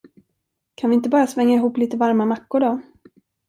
Kan vi inte bara svänga ihop lite varma mackor, då?